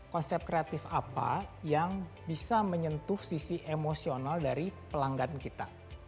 konsep kreatif apa yang bisa menyentuh sisi emosional dari pelanggan kita